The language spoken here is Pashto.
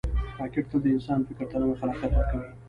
راکټ تل د انسان فکر ته نوی خلاقیت ورکوي